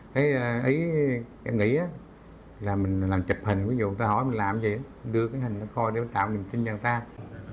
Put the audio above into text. thế ý em nghĩ là mình làm chụp hình ví dụ người ta hỏi mình làm gì em đưa cái hình ra coi để mình tạo hình tin cho người ta